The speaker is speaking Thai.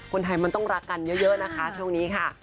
คนไทยมันต้องรักกันเยอะนะคะช่วงนี้ค่ะ